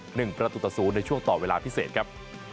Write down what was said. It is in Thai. หนึ่งประตูต่อศูนย์ในช่วงต่อเวลาพิเศษครับ